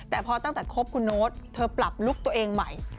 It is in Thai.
แต่พอตั้งแต่คบคุณโน๊ตเธอปรับลุคตัวเองใหม่